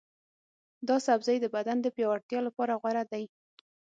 دا سبزی د بدن د پیاوړتیا لپاره غوره دی.